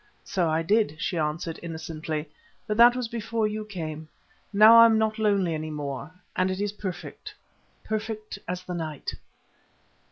"So I did," she answered, innocently, "but that was before you came. Now I am not lonely any more, and it is perfect—perfect as the night."